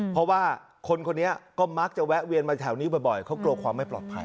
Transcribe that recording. เพราะว่าคนคนนี้ก็มักจะแวะเวียนมาแถวนี้บ่อยเขากลัวความไม่ปลอดภัย